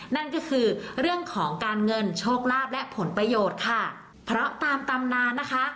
นั่นก็คือเรื่องของการเงินโชคลาภและผลประโยชน์ค่ะเพราะตามตำนานนะคะ